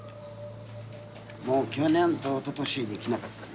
もう去年とおととしできなかったね。